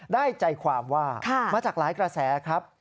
ได้ใจความว่ามาจากหลายกระแสครับ